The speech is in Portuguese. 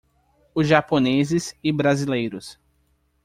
Os Japoneses e Brasileiros.